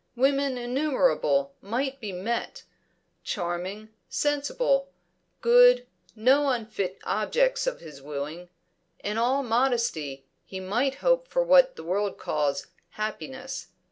Women innumerable might be met, charming, sensible, good, no unfit objects of his wooing; in all modesty he might hope for what the world calls happiness.